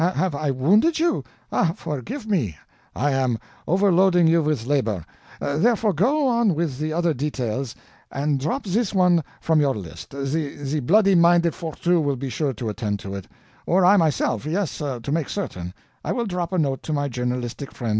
Have I wounded you? Ah, forgive me; I am overloading you with labor. Therefore go on with the other details, and drop this one from your list. The bloody minded Fourtou will be sure to attend to it. Or I myself yes, to make certain, I will drop a note to my journalistic friend, M.